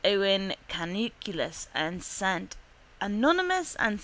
Owen Caniculus and S. Anonymous and S.